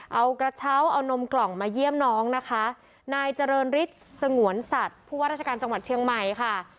เอากระเช้าเอานมกล่องมาเยี่ยมน้องนะคะนายเจริญฤทธิ์สงวนสัตว์ผู้ว่าราชการจังหวัดเชียงใหม่ค่ะ